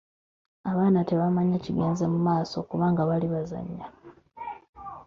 Abaana tebamanya kigenze mu maaso kubanga bali bazannya.